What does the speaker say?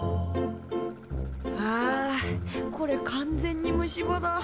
あこれ完全に虫歯だ。